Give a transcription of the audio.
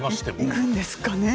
行くんですかね。